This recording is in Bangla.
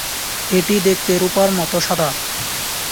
এটি দেখতে রূপার মত সাদা।